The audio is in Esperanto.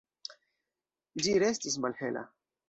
Ĝi restis malhela.